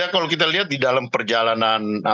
kalau kita lihat di dalam perjalanan